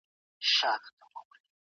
خلک بايد د خپلو سياسي حقونو څخه خبر وي.